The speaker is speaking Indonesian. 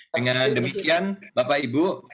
dengan demikian bapak ibu